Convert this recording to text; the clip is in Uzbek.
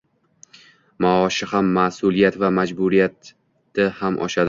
Maoshi ham, maʼsuliyat va majburiyati ham oshadi.